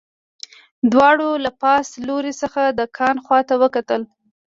دواړو له پاس لوري څخه د کان خواته وکتل